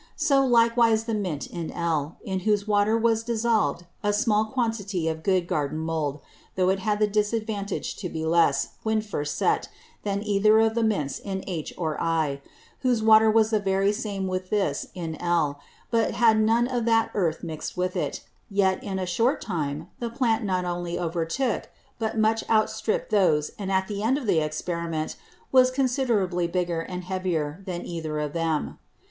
So likewise the Mint in L, in whose Water was dissolved a small quantity of good Garden mould, though it had the disadvantage to be less, when first set, than either of the Mints in H or I, whose Water was the very same with this in L, but had none of that Earth mix'd with it; yet, in a short time the Plant not only overtook, but much out strip'd those and at the end of the Experiment was very considerably bigger and heavier than either of them.